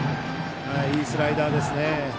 いいスライダーでした。